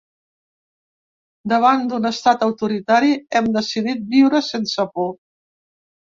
Davant d'un estat autoritari, hem decidit viure sense por.